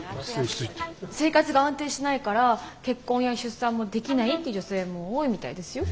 生活が安定しないから結婚や出産もできないって女性も多いみたいですよ。